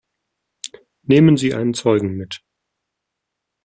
Nehmen Sie einen Zeugen mit.